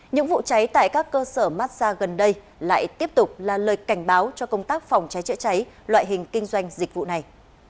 những vụ cháy tại các cơ sở massage gần đây lại tiếp tục là lời cảnh báo cho công tác phòng cháy chữa cháy loại hình kinh doanh dịch vụ này